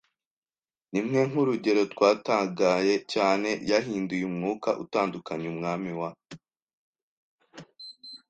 Rimwe, nk'urugero, twatangaye cyane, yahinduye umwuka utandukanye, umwami wa